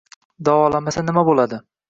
Davolamasa nima bo‘ladi?